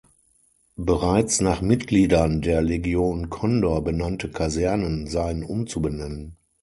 Bereits nach Mitgliedern der Legion Condor benannte Kasernen seien umzubenennen.